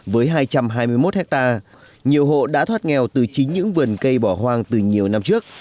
với hai trăm hai mươi một hectare nhiều hộ đã thoát nghèo từ chính những vườn cây bỏ hoang từ nhiều năm trước